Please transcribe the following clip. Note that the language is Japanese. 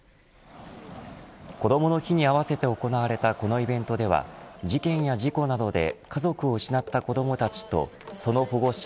こどもの日に合わせて行われたこのイベントでは事件や事故などで家族を失った子どもたちとその保護者